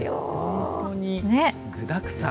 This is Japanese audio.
本当に具だくさん。